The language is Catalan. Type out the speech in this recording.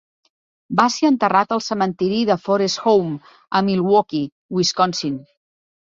Va ser enterrat al cementiri de Forest Home, a Milwaukee (Wisconsin).